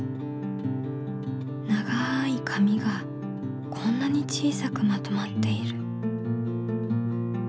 ながい紙がこんなにちいさくまとまっている。